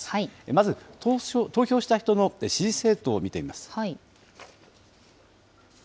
まず、投票した人の支持政党を見てみます。